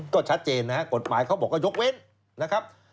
ก็ชัดเจนนะครับกฎหมายเขาบอกว่ายกเว้นนะครับ